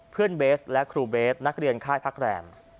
เพื่อนเบสและครูเบสนักเรียนค่ายพรรณ์